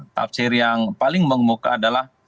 tafsir yang paling mengemuka adalah